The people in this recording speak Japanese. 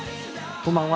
こんばんは。